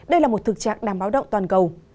đây là một thực trạng đáng báo động toàn cầu